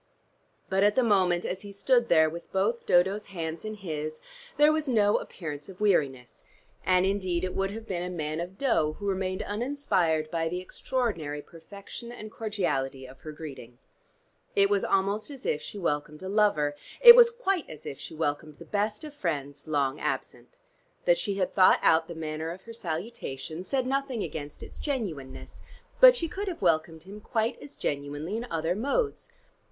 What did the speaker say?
But at the moment, as he stood there with both Dodo's hands in his, there was no appearance of weariness, and indeed it would have been a man of dough who remained uninspired by the extraordinary perfection and cordiality of her greeting. It was almost as if she welcomed a lover: it was quite as if she welcomed the best of friends long absent. That she had thought out the manner of her salutation, said nothing against its genuineness, but she could have welcomed him quite as genuinely in other modes.